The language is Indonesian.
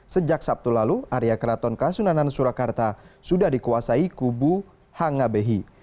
sejak sabtu lalu area keraton kasunanan surakarta sudah dikuasai kubu hanga behi